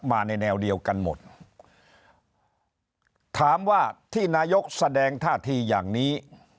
มาในแนวเดียวกันหมดถามว่าที่นายกแสดงท่าทีอย่างนี้